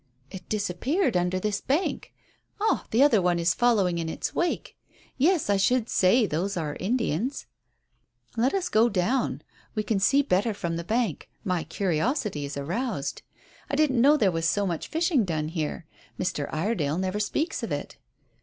"It disappeared under this bank. Ah, the other one is following in its wake. Yes, I should say those are Indians." "Let us go on down. We can see better from the bank. My curiosity is aroused. I didn't know there was so much fishing done here. Mr. Iredale never speaks of it."